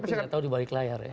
saya tidak tahu di balik layar ya